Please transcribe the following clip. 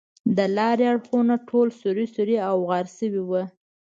د لارې اړخونه ټول سوري سوري او غار شوي ول.